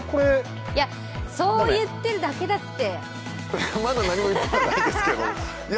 そう言ってるだけだって！